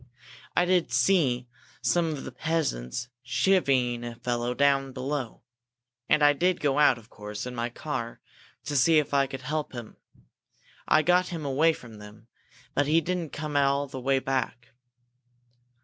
"I did see some of the peasants chivying a fellow down below. And I did go out, of course, in my car, to see if I could help him. I got him away from them. But he didn't come all the way back.